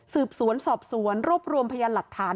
สืบสวนสอบสวนรวบรวมพยานหลักฐาน